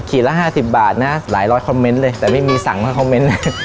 ละ๕๐บาทนะหลายร้อยคอมเมนต์เลยแต่ไม่มีสั่งมาคอมเมนต์นะ